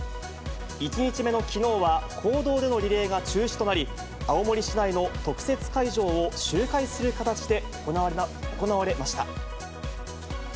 １日目のきのうは、公道でのリレーが中止となり、青森市内の特設会場を周回する形で行われました。